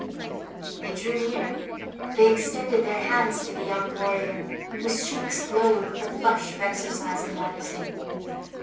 They drew near, they extended their hands to the young warrior, whose cheeks glowed with the flush of exercise and modesty.